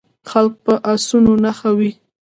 خلک په اسونو نښه وي.